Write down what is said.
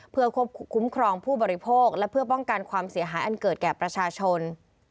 เพื่อควบคุมครองผู้บริโภคและเพื่อป้องกันความเสียหายอันเกิดแก่ประชาชน